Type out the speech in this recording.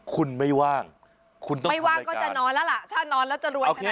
คุณไม่ว่างคุณต้องไม่ว่างก็จะนอนแล้วล่ะถ้านอนแล้วจะรวยขนาดนี้